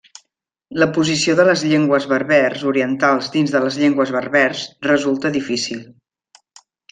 La posició de les llengües berbers orientals dins de les llengües berbers resulta difícil.